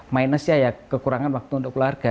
minusnya ya kekurangan waktu untuk keluarga